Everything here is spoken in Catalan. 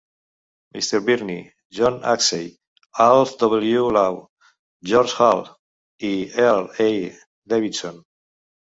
M. Birnie, John Arksey, Alf W. Law, George Hall i Earl E. Davidson.